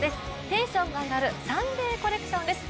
テンションが上がる「サンデーコレクション」です。